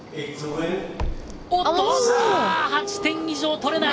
８点以上取れない！